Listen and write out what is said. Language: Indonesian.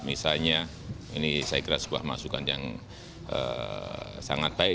misalnya ini saya kira sebuah masukan yang sangat baik